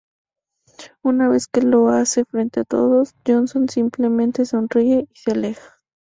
Una vez que lo hace frente a todos, Johnson simplemente sonríe y se aleja.